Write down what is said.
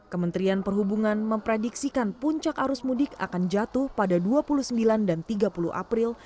kementerian perhubungan memprediksikan puncak arus mudik akan jatuh pada dua puluh sembilan dan tiga puluh april